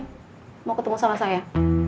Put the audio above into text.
kamu mau tunggu sama saya